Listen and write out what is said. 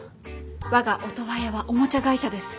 我がオトワヤはおもちゃ会社です。